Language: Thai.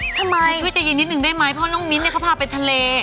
ช่วยเย็นนิดนึงได้มั้ยเพราะน้องมิ๊วนี่เขาพาไปทะเล